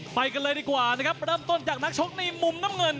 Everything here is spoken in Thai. ไปกันเลยดีกว่านะครับเริ่มต้นจากนักชกในมุมน้ำเงิน